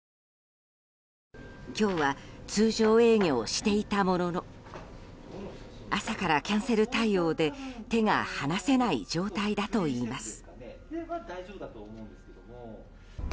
今日は通常営業をしていたものの朝からキャンセル対応で手が離せない状態だといいます。